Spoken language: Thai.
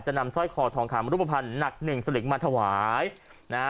จะนำซอยคอทองขามรุปภัณฑ์หนัก๑สลึงมาถวายนะ